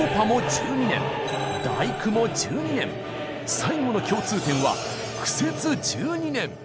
最後の共通点は苦節１２年！